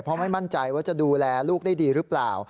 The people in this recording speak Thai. เพราะไม่มั่นใจว่าจะดูแลลูกได้ดีหรือเปล่า